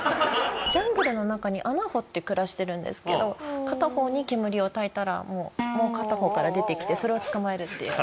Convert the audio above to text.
ジャングルの中に穴掘って暮らしてるんですけど片方に煙をたいたらもう片方から出てきてそれを捕まえるっていう。